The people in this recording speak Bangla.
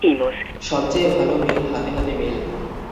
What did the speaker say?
সব চেয়ে ভালো মিল হাতে হাতে মিল।